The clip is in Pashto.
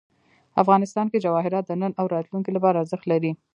افغانستان کې جواهرات د نن او راتلونکي لپاره ارزښت لري.